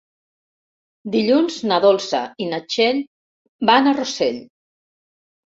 Dilluns na Dolça i na Txell van a Rossell.